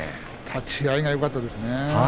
立ち合いがよかったですね